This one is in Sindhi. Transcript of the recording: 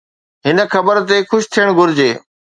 هن خبر تي خوش ٿيڻ گهرجي.